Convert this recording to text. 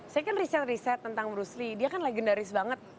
saya kan riset riset tentang bruce lee dia kan legendaris banget